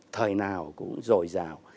thời nào cũng dội dào